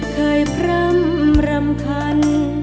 เคยพร้ำรำคัน